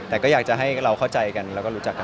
แต่ก็อยากจะให้ลูกข้อใจและรู้กักกันมากกว่านี้